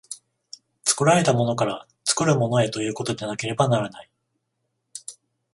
作られたものから作るものへということでなければならない。